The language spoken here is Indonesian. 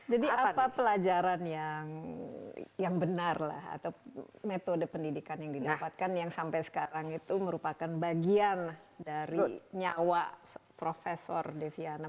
jadi apa pelajaran yang benar lah atau metode pendidikan yang didapatkan yang sampai sekarang itu merupakan bagian dari nyawa profesor deviana